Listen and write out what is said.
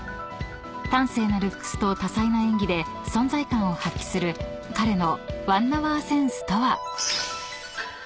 ［端正なルックスと多彩な演技で存在感を発揮する彼の］